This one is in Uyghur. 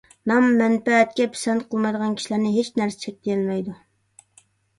نام ـ مەنپەئەتكە پىسەنت قىلمايدىغان كىشىلەرنى ھېچ نەرسە چەكلىيەلمەيدۇ،